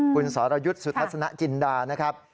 คุณสรยุทธ์สุทัศนจินดานะครับ